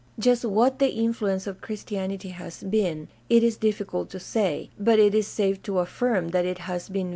Just what the influence of Christianity has been it is difhcult to say, but it is safe to afhrm that it has been very decisive.